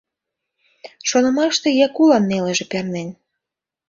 Шонымаште Якулан нелыже пернен.